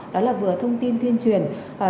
đó là vừa thông tin tuyên truyền